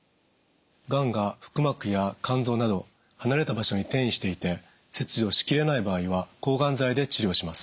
がんが腹膜や肝臓など離れた場所に転移していて切除し切れない場合は抗がん剤で治療します。